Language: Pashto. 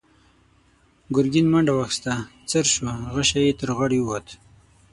ګرګين منډه واخيسته، څررر شو، غشۍ يې تر غاړې ووت.